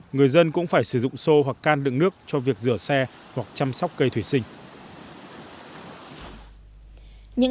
người dân cũng phải sử dụng xô hoặc can đựng nước cho việc rửa xe hoặc chăm sóc cây thủy sinh